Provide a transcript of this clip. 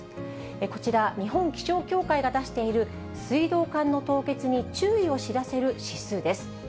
こちら、日本気象協会が出している、水道管の凍結に注意を知らせる指数です。